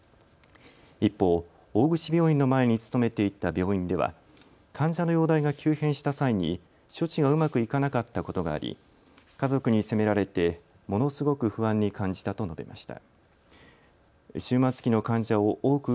一方、大口病院の前に勤めていた病院では患者の容体が急変した際に処置がうまくいかなかったことがあり家族に責められてものすごく不安に感じたと述べました。